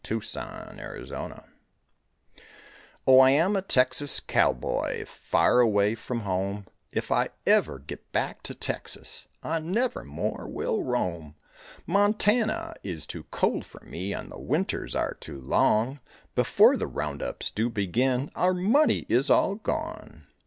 THE TEXAS COWBOY Oh, I am a Texas cowboy, Far away from home, If ever I get back to Texas I never more will roam. Montana is too cold for me And the winters are too long; Before the round ups do begin Our money is all gone.